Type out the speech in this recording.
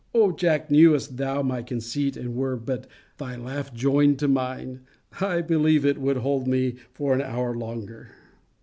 O Jack, knewest thou my conceit, and were but thy laugh joined to mine, I believe it would hold me for an hour longer.